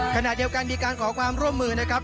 ขณะเดียวกันมีการขอความร่วมมือนะครับ